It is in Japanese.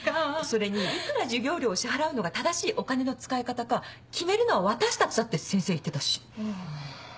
それに幾ら授業料を支払うのが正しいお金の使い方か決めるのは私たちだって先生言ってたし。